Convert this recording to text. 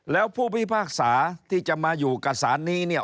แล้วผู้พิพากษาที่จะมาอยู่กับศาลนี้